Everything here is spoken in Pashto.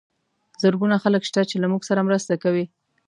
زرګونه خلک شته چې له موږ سره مرسته کوي.